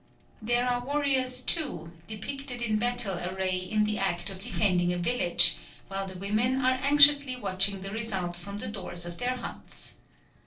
There are warriors, too, depicted in battle array in the act of defending a village, while the women are anxiously watching the result from the doors of their huts.